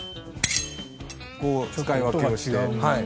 こう使い分けをして。